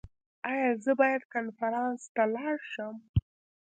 ایا زه باید کنفرانس ته لاړ شم؟